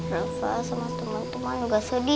rasa sama temen temen juga sedih